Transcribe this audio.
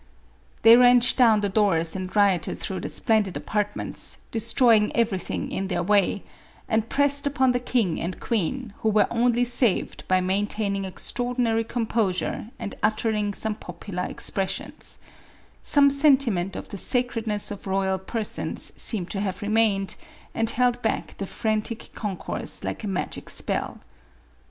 They wrenched down the doors and rioted through the splendid apartments, destroying everything in their way, and pressed upon the king and queen, who were only saved by maintaining extraordinary composure, and uttering some popular expressions ; some sentiment of the sacredness of royal persons seemed to have remain ed, and held back the frantic concourse like a magic spell.